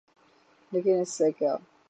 لیکن اس سے کیا؟